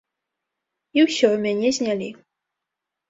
І ўсё, мяне знялі.